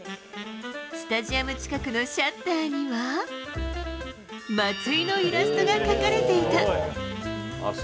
スタジアム近くのシャッターには、松井のイラストが描かれていた。